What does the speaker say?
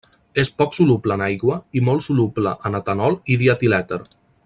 És poc soluble en aigua i molt soluble en etanol i dietilèter.